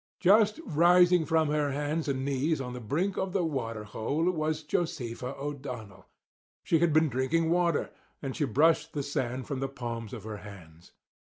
Just rising from her hands and knees on the brink of the water hole was Josefa O'Donnell. She had been drinking water, and she brushed the sand from the palms of her hands.